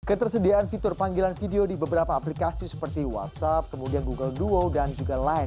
ketersediaan fitur panggilan video di beberapa aplikasi seperti whatsapp google duo dan lain